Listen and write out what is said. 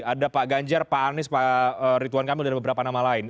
ada pak ganjar pak anies pak ridwan kamil dan beberapa nama lain